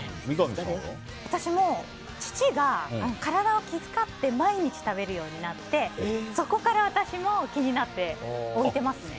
私も父が体を気遣って毎日食べるようになってそこから私も気になって置いてますね。